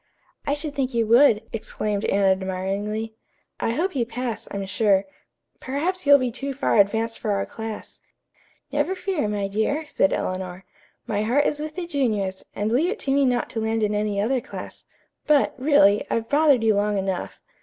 "I should think you would," exclaimed Anne admiringly. "I hope you pass, I'm sure. Perhaps you'll be too far advanced for our class." "Never fear, my dear," said Eleanor. "My heart is with the juniors, and leave it to me not to land in any other class. But, really, I've bothered you long enough.